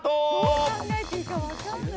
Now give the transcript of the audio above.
どう考えていいかわかんない。